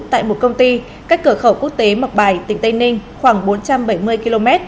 tại một công ty cách cửa khẩu quốc tế mộc bài tỉnh tây ninh khoảng bốn trăm bảy mươi km